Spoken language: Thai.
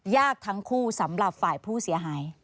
ยากทั้งคู่สำหรับฝ่ายผู้เสียหาย